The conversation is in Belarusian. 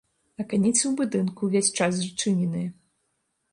Аканіцы ў будынку ўвесь час зачыненыя.